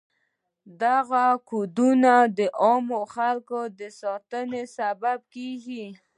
دغه کودونه د عامو خلکو د ساتنې سبب کیږي.